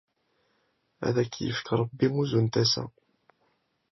Ad ak-yefk Rebbi uzu n tasa.